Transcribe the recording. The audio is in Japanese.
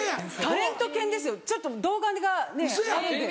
タレント犬ですよちょっと動画がねあるんで。